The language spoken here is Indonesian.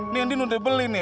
nih din udah beli nih